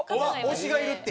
推しがいるって。